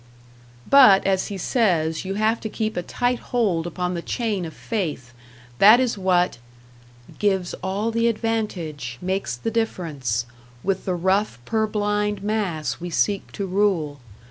But, as he says, you have to keep a tight hold upon the chain of faith, that is what Gives all the advantage, makes the difference, With the rough, purblind mass we seek to rule.